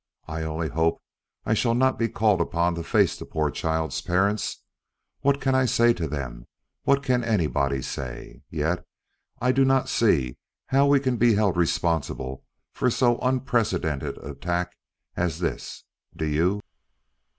I only hope I shall not be called upon to face the poor child's parents. What can I say to them? What can anybody say? Yet I do not see how we can be held responsible for so unprecedented an attack as this, do you?"